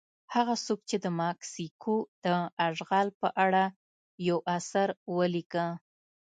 هغه څوک چې د مکسیکو د اشغال په اړه یو اثر ولیکه.